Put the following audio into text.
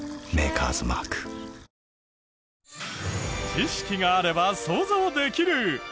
知識があれば想像できる。